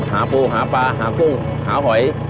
หาปูหาปลาหากุ้งหาหอย